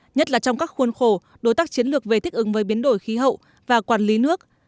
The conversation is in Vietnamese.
nhất là trong các khuôn khổ đối tác chiến lược về thích ứng với biến đổi khí hậu và quản lý nước